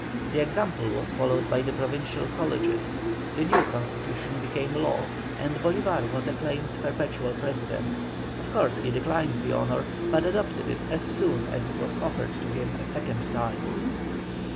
The example was followed by the Provincial Colleges, the new Constitution became law, and Bolívar was acclaimed perpetual President. Of course he declined the honour, but accepted it as soon as it was offered to him a second time.